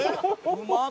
「うまっ！